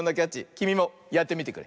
きみもやってみてくれ。